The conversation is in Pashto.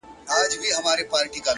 وخت د ژوند نه بدلیدونکې شتمني ده.!